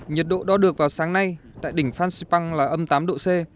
nhiệt độ đo được vào sáng nay tại đỉnh phan xipang là âm tám độ c